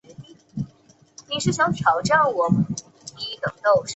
缘毛紫菀为菊科紫菀属的植物。